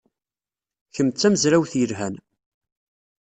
Kemm d tamezrawt yelhan.